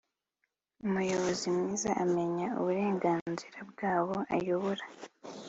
Umuyobozi mwiza amenya uburenganzira bw abo ayobora